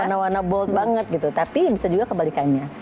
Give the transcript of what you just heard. warna warna bold banget gitu tapi bisa juga kebalikannya